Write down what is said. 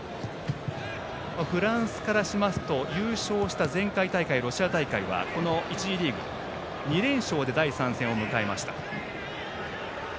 フランスからしますと、優勝した前回のロシア大会は１次リーグ２連勝で第３戦を迎えました。